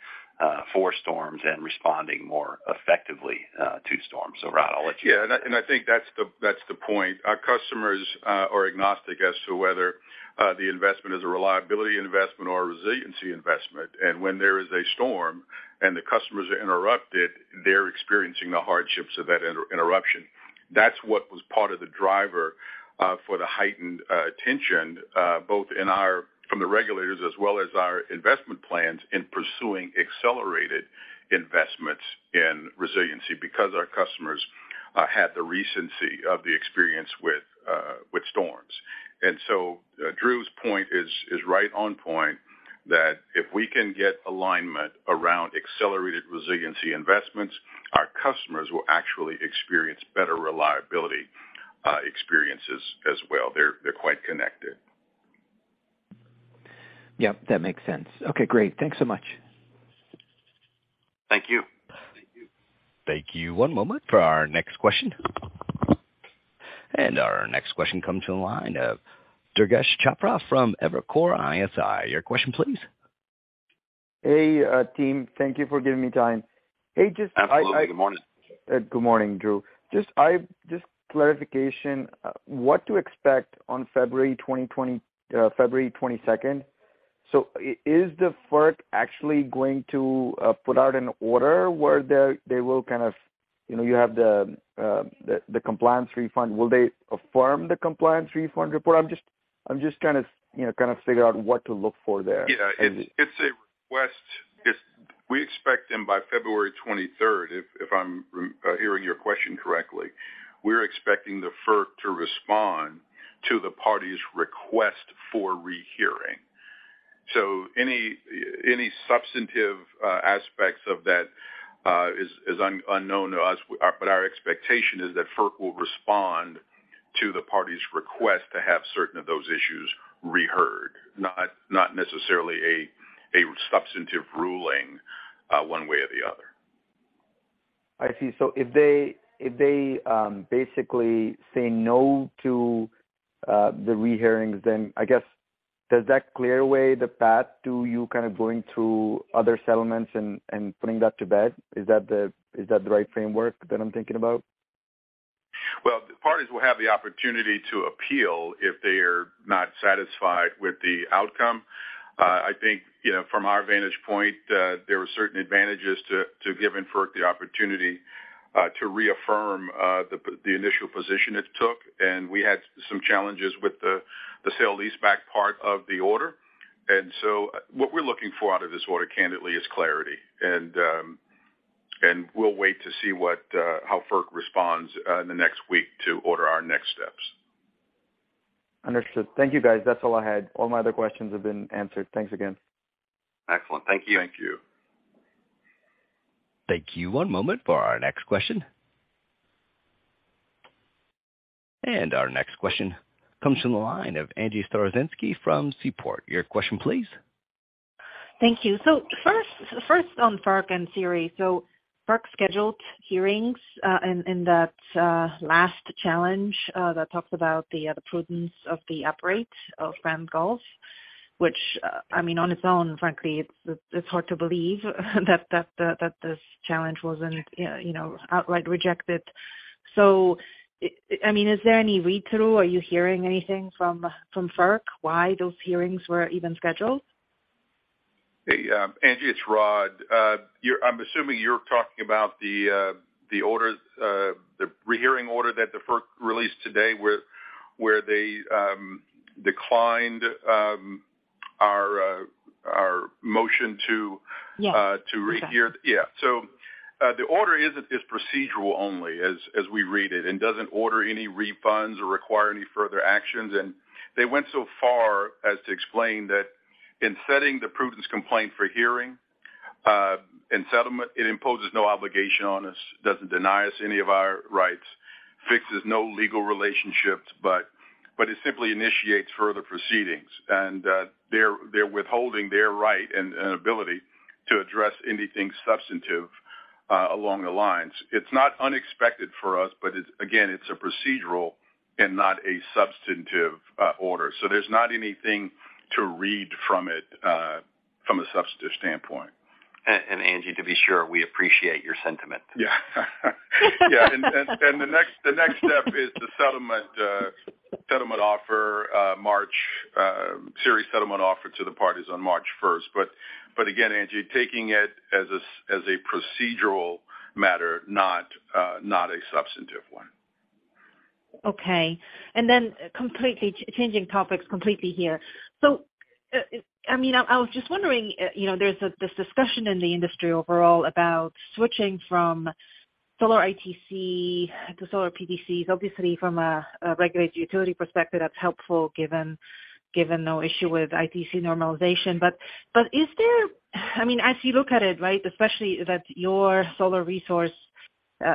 for storms and responding more effectively to storms. Rod, I'll let you. Yeah. I think that's the point. Our customers are agnostic as to whether the investment is a reliability investment or a resiliency investment. When there is a storm and the customers are interrupted, they're experiencing the hardships of that interruption. That's what was part of the driver for the heightened attention both from the regulators as well as our investment plans in pursuing accelerated investments in resiliency because our customers had the recency of the experience with storms. Drew's point is right on point, that if we can get alignment around accelerated resiliency investments, our customers will actually experience better reliability experiences as well. They're quite connected. Yep, that makes sense. Okay, great. Thanks so much. Thank you. Thank you. Thank you. One moment for our next question. Our next question comes from the line of Durgesh Chopra from Evercore ISI. Your question please. Hey, team. Thank you for giving me time. Hey, just Absolutely. Good morning. Good morning, Drew. Just clarification, what to expect on February 22nd. Is the FERC actually going to put out an order where they will kind of, you know, you have the compliance refund? Will they affirm the compliance refund report? I'm just trying to, you know, kind of figure out what to look for there. Yeah. It's a request. We expect them by February 23rd, if I'm hearing your question correctly, we're expecting the FERC to respond to the party's request for rehearing. Any substantive aspects of that is unknown to us. Our expectation is that FERC will respond to the party's request to have certain of those issues reheard, not necessarily a substantive ruling one way or the other. I see. if they basically say no to the rehearings, I guess does that clear away the path to you kind of going to other settlements and putting that to bed? Is that the right framework that I'm thinking about? Well, the parties will have the opportunity to appeal if they are not satisfied with the outcome. I think, you know, from our vantage point, there were certain advantages to giving FERC the opportunity to reaffirm the initial position it took. We had some challenges with the sale leaseback part of the order. What we're looking for out of this order, candidly, is clarity. We'll wait to see what how FERC responds in the next week to order our next steps. Understood. Thank you, guys. That's all I had. All my other questions have been answered. Thanks again. Excellent. Thank you. Thank you. Thank you. One moment for our next question. Our next question comes from the line of Angie Storozynski from Seaport. Your question, please. Thank you. First on FERC and Siri. FERC scheduled hearings in that last challenge that talked about the prudence of the operate of Grand Gulf, which, I mean, on its own, frankly, it's hard to believe that this challenge wasn't, you know, outright rejected. I mean, is there any read-through? Are you hearing anything from FERC why those hearings were even scheduled? Hey, Angie, it's Rod. I'm assuming you're talking about the order, the rehearing order that the FERC released today where they declined our motion to- Yes. to rehear. Yeah. The order is procedural only as we read it, and doesn't order any refunds or require any further actions. They went so far as to explain that in setting the prudence complaint for hearing and settlement, it imposes no obligation on us, doesn't deny us any of our rights, fixes no legal relationships, but it simply initiates further proceedings. They're withholding their right and ability to address anything substantive along the lines. It's not unexpected for us, but it's again, it's a procedural and not a substantive order. There's not anything to read from it from a substantive standpoint. Angie, to be sure, we appreciate your sentiment. Yeah. Yeah. The next step is the settlement settlement offer March SERI settlement offer to the parties on March first. Again, Angie, taking it as a procedural matter, not not a substantive one. Okay. Completely changing topics completely here. I mean, I was just wondering, you know, there's this discussion in the industry overall about switching from solar ITC to solar PTCs, obviously from a regulated utility perspective, that's helpful given no issue with ITC normalization. I mean, as you look at it, right, especially that your solar resource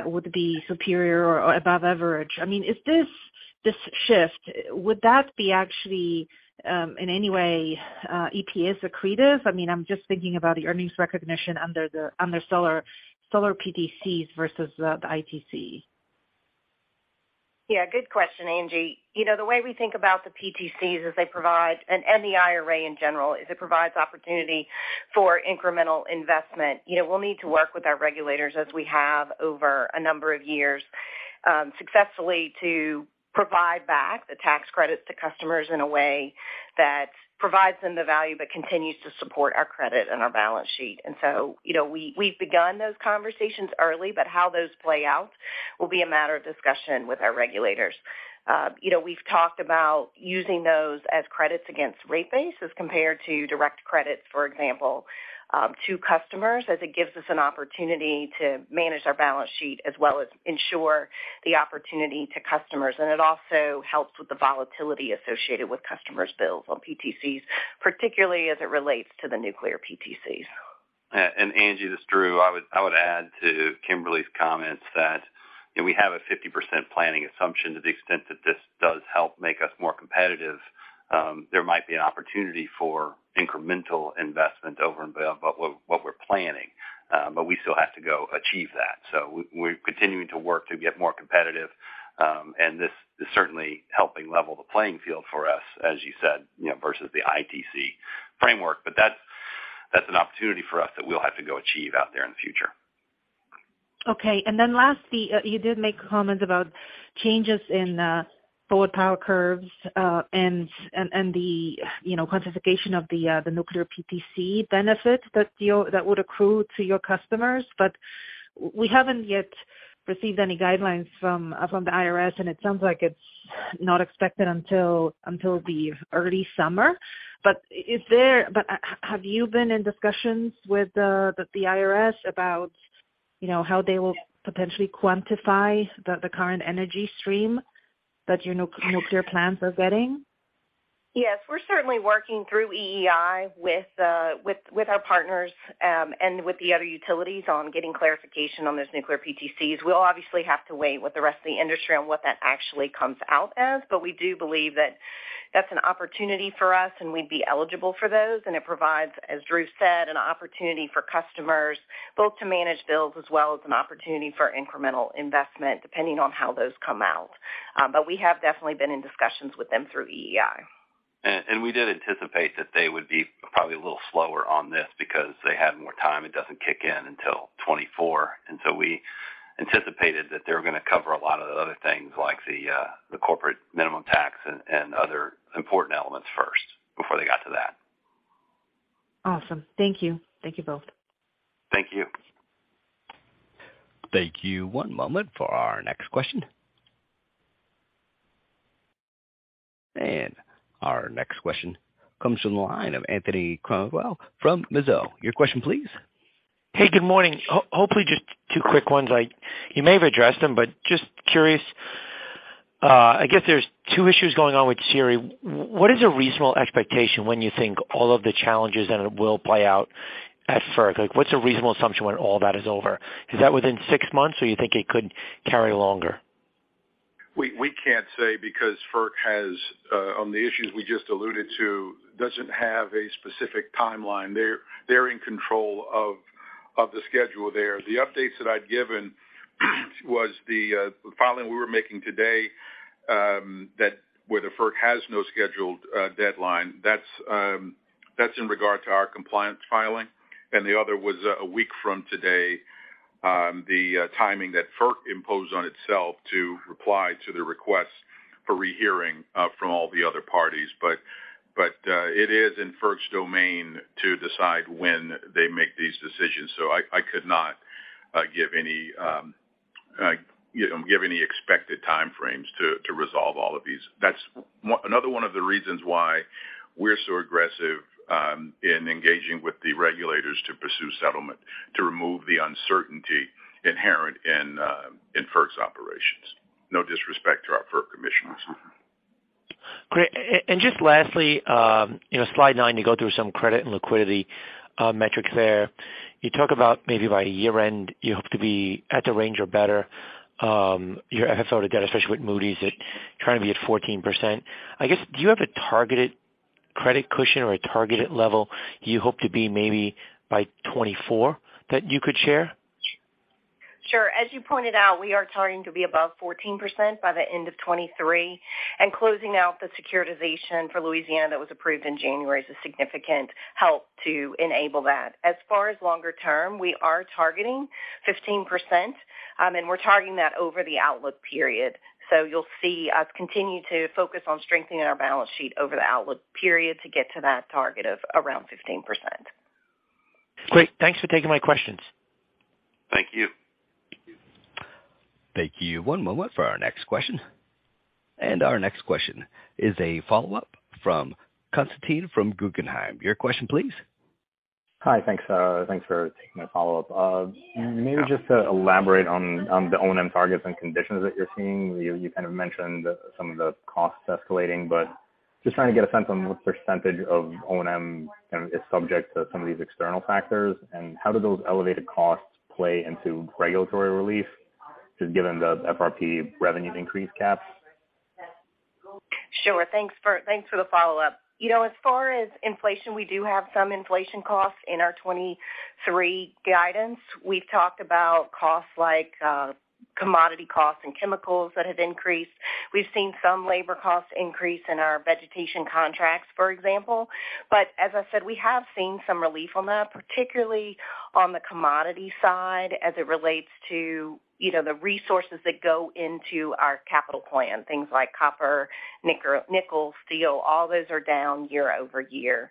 would be superior or above average. I mean, is this shift, would that be actually in any way EPS accretive? I mean, I'm just thinking about the earnings recognition under the solar PTCs versus the ITC. Yeah, good question, Angie Storozynski. You know, the way we think about the PTCs is they provide an NBI array in general, is it provides opportunity for incremental investment. You know, we'll need to work with our regulators as we have over a number of years, successfully to provide back the tax credits to customers in a way that provides them the value but continues to support our credit and our balance sheet. You know, we've begun those conversations early, but how those play out will be a matter of discussion with our regulators. You know, we've talked about using those as credits against rate base as compared to direct credits, for example, to customers, as it gives us an opportunity to manage our balance sheet as well as ensure the opportunity to customers. It also helps with the volatility associated with customers' bills on PTCs, particularly as it relates to the nuclear PTCs. Angie, this is Drew. I would add to Kimberly's comments that, you know, we have a 50% planning assumption to the extent that this does help make us more competitive, there might be an opportunity for incremental investment over and above what we're planning. We still have to go achieve that. We're continuing to work to get more competitive, and this is certainly helping level the playing field for us, as you said, you know, versus the ITC framework. That's an opportunity for us that we'll have to go achieve out there in the future. Okay. Lastly, you did make comments about changes in forward power curves, and the, you know, quantification of the nuclear PTC benefit that would accrue to your customers. We haven't yet received any guidelines from the IRS, and it sounds like it's not expected until the early summer. Have you been in discussions with the IRS about, you know, how they will potentially quantify the current energy stream that your nuclear plants are getting? Yes, we're certainly working through EEI with our partners and with the other utilities on getting clarification on those nuclear PTCs. We'll obviously have to wait with the rest of the industry on what that actually comes out as. We do believe that that's an opportunity for us, and we'd be eligible for those. It provides, as Drew said, an opportunity for customers both to manage bills as well as an opportunity for incremental investment, depending on how those come out. We have definitely been in discussions with them through EEI. We did anticipate that they would be probably a little slower on this because they had more time. It doesn't kick in until 2024. We anticipated that they were going to cover a lot of the other things like the corporate minimum tax and other important elements first before they got to that. Awesome. Thank you. Thank you both. Thank you. Thank you. One moment for our next question. Our next question comes from the line of Anthony Crowdell from Mizuho. Your question, please. Hey, good morning. Hopefully just two quick ones. You may have addressed them, but just curious. I guess there's two issues going on with SERI. What is a reasonable expectation when you think all of the challenges and it will play out at FERC? Like, what's a reasonable assumption when all that is over? Is that within six months, or you think it could carry longer? We can't say because FERC has on the issues we just alluded to, doesn't have a specific timeline. They're in control of the schedule there. The updates that I'd given was the filing we were making today, that where the FERC has no scheduled deadline. That's in regard to our compliance filing. The other was a week from today, the timing that FERC imposed on itself to reply to the request for rehearing from all the other parties. It is in FERC's domain to decide when they make these decisions, so I could not give any, you know, give any expected time frames to resolve all of these. That's another one of the reasons why we're so aggressive in engaging with the regulators to pursue settlement, to remove the uncertainty inherent in FERC's operations. No disrespect to our FERC commissioners. Great. Just lastly, you know, slide nine, you go through some credit and liquidity metrics there. You talk about maybe by year-end you hope to be at the range or better, your FFO to debt, especially with Moody's at trying to be at 14%. I guess, do you have a targeted credit cushion or a targeted level you hope to be maybe by 2024 that you could share? Sure. As you pointed out, we are targeting to be above 14% by the end of 2023. Closing out the securitization for Louisiana that was approved in January is a significant help to enable that. As far as longer term, we are targeting 15%, and we're targeting that over the outlook period. You'll see us continue to focus on strengthening our balance sheet over the outlook period to get to that target of around 15%. Great. Thanks for taking my questions. Thank you. Thank you. One moment for our next question. Our next question is a follow-up from Constantine from Guggenheim. Your question, please. Hi. Thanks. Thanks for taking my follow-up. Maybe just to elaborate on the O&M targets and conditions that you're seeing. You kind of mentioned some of the costs escalating, but just trying to get a sense on what % of O&M kind of is subject to some of these external factors. How do those elevated costs play into regulatory relief, just given the FRP revenue increase caps? Sure. Thanks for the follow-up. You know, as far as inflation, we do have some inflation costs in our 23 guidance. We've talked about costs like commodity costs and chemicals that have increased. We've seen some labor costs increase in our vegetation contracts, for example. As I said, we have seen some relief on that, particularly on the commodity side as it relates to, you know, the resources that go into our capital plan, things like copper, nickel, steel, all those are down year-over-year.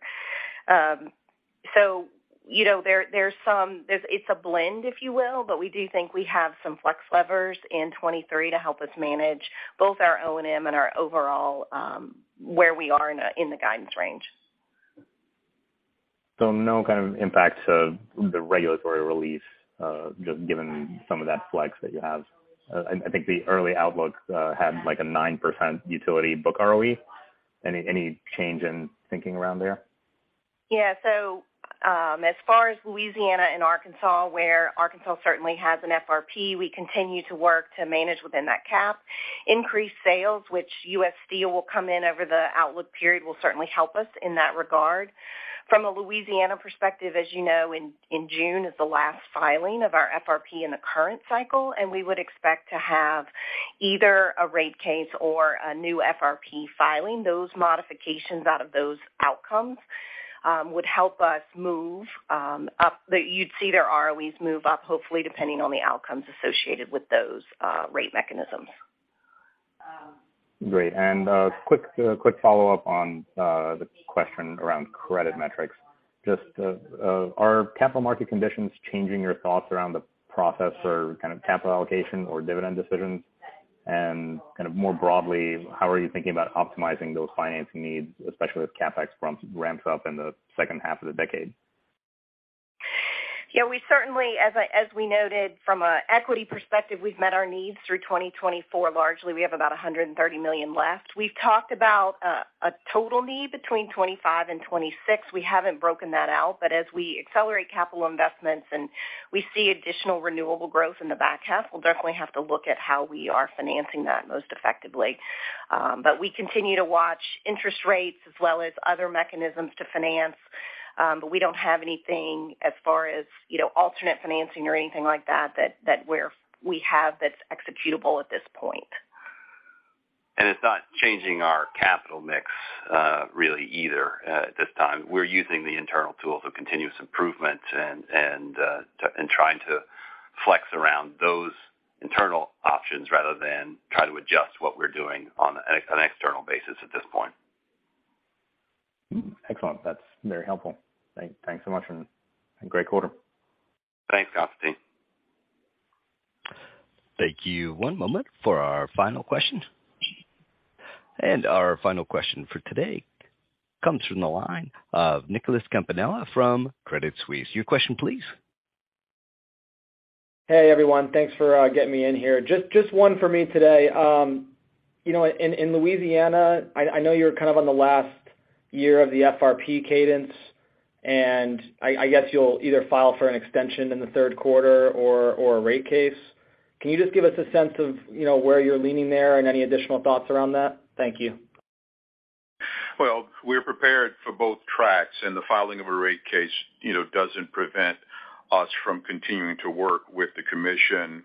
You know, there's some, it's a blend, if you will, but we do think we have some flex levers in 23 to help us manage both our O&M and our overall, where we are in the guidance range. No kind of impact to the regulatory relief, just given some of that flex that you have? I think the early outlooks had, like, a 9% utility book ROE. Any change in thinking around there? As far as Louisiana and Arkansas, where Arkansas certainly has an FRP, we continue to work to manage within that cap. Increased sales, which U.S. Steel will come in over the outlook period, will certainly help us in that regard. From a Louisiana perspective, as you know, in June is the last filing of our FRP in the current cycle, and we would expect to have either a rate case or a new FRP filing. Those modifications out of those outcomes would help us move up. You'd see their ROEs move up, hopefully, depending on the outcomes associated with those rate mechanisms. Great. Quick follow-up on the question around credit metrics. Just, are capital market conditions changing your thoughts around the process for kind of capital allocation or dividend decisions? Kind of more broadly, how are you thinking about optimizing those financing needs, especially as CapEx prompts ramps up in the second half of the decade? We certainly, as we noted from an equity perspective, we've met our needs through 2024. Largely, we have about $130 million left. We've talked about a total need between 2025 and 2026. We haven't broken that out, but as we accelerate capital investments and we see additional renewable growth in the back half, we'll definitely have to look at how we are financing that most effectively. We continue to watch interest rates as well as other mechanisms to finance. We don't have anything as far as, you know, alternate financing or anything like that, we have that's executable at this point. It's not changing our capital mix, really either, at this time. We're using the internal tool for continuous improvement and trying to flex around those internal options rather than try to adjust what we're doing on an external basis at this point. Excellent. That's very helpful. Thanks so much and great quarter. Thanks, Constantine. Thank you. One moment for our final question. Our final question for today comes from the line of Nicholas Campanella from Credit Suisse. Your question please. Hey, everyone. Thanks for getting me in here. Just one for me today. You know, in Louisiana, I know you're kind of on the last year of the FRP cadence, and I guess you'll either file for an extension in the third quarter or a rate case. Can you just give us a sense of, you know, where you're leaning there and any additional thoughts around that? Thank you. We're prepared for both tracks, and the filing of a rate case, you know, doesn't prevent us from continuing to work with the commission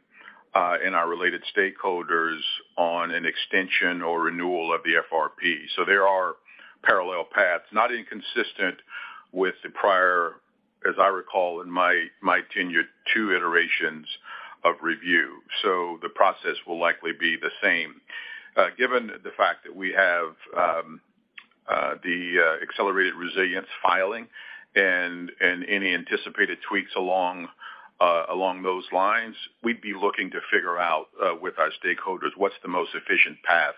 and our related stakeholders on an extension or renewal of the FRP. There are parallel paths, not inconsistent with the prior, as I recall in my tenure, two iterations of review. The process will likely be the same. Given the fact that we have the accelerated resilience filing and any anticipated tweaks along those lines, we'd be looking to figure out with our stakeholders what's the most efficient path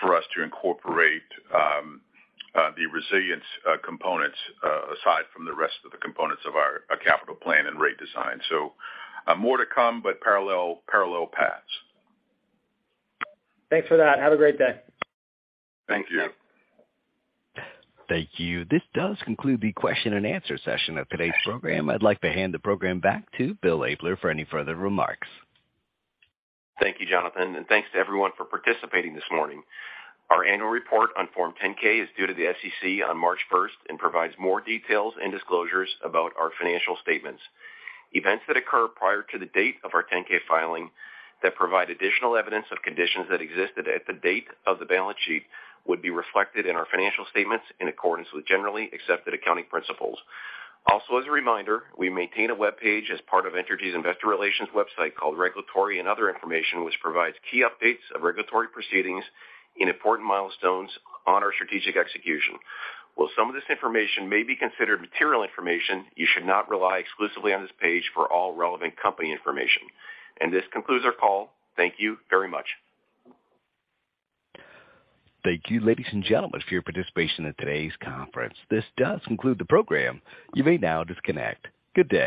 for us to incorporate the resilience components aside from the rest of the components of our capital plan and rate design. More to come, but parallel paths. Thanks for that. Have a great day. Thank you. Thank you. This does conclude the question and answer session of today's program. I'd like to hand the program back to Bill Abler for any further remarks. Thank you, Jonathan. Thanks to everyone for participating this morning. Our annual report on Form 10-K is due to the SEC on March 1st and provides more details and disclosures about our financial statements. Events that occur prior to the date of our 10-K filing that provide additional evidence of conditions that existed at the date of the balance sheet would be reflected in our financial statements in accordance with generally accepted accounting principles. As a reminder, we maintain a webpage as part of Entergy's investor relations website called Regulatory and Other Information, which provides key updates of regulatory proceedings and important milestones on our strategic execution. While some of this information may be considered material information, you should not rely exclusively on this page for all relevant company information. This concludes our call. Thank you very much. Thank you, ladies and gentlemen, for your participation in today's conference. This does conclude the program. You may now disconnect. Good day.